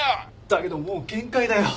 だけどもう限界だよ。